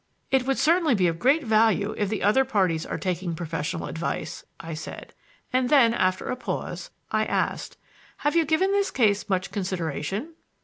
"It would certainly be of great value if the other parties are taking professional advice," I said; and then, after a pause, I asked: "Have you given this case much consideration?"